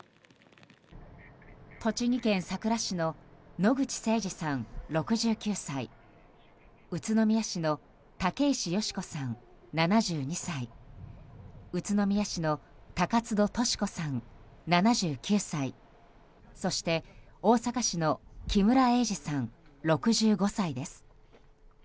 栃木県さくら市の野口誠二さん、６９歳宇都宮市の竹石佳子さん、７２歳宇都宮市の高津戸トシ子さん、７９歳そして、大阪市の木村英二さん、６５歳です。